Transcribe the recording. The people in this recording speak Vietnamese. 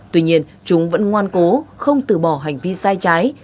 tuy nhiên chúng vẫn ngoan cố không từ bỏ hành vi sai trái